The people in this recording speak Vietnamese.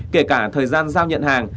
kể cả thời gian giao nhận hàng